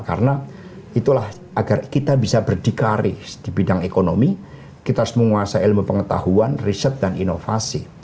karena itulah agar kita bisa berdikari di bidang ekonomi kita harus menguasai ilmu pengetahuan riset dan inovasi